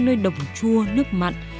nơi đồng chua nước mặn